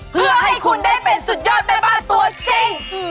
เพื่อให้คุณได้เป็นสุดยอดแม่บ้านตัวจริง